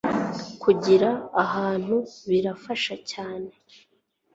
Kugira abantu birafasha cyane